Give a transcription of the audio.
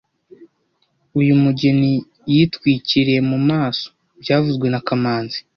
Uyu mugeni yitwikiriye mu maso byavuzwe na kamanzi